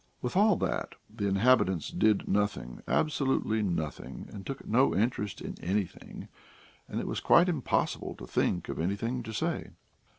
With all that, the inhabitants did nothing, absolutely nothing, and took no interest in anything, and it was quite impossible to think of anything to say.